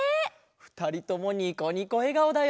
ふたりともニコニコえがおだよ！